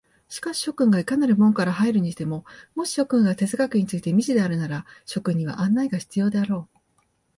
しかし諸君がいかなる門から入るにしても、もし諸君が哲学について未知であるなら、諸君には案内が必要であろう。